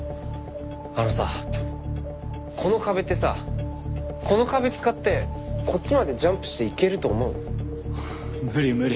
あのさこの壁ってさこの壁使ってこっちまでジャンプして行けると思う？はあ無理無理。